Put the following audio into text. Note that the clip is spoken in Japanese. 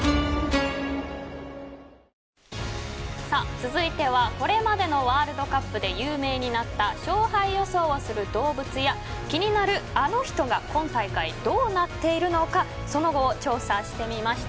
続いてはこれまでのワールドカップで有名になった勝敗予想をする動物や気になるあの人が今大会、どうなっているのかその後を調査してみました。